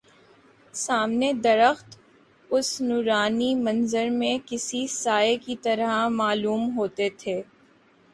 سامنے درخت اس نورانی منظر میں کسی سائے کی طرح معلوم ہوتے تھے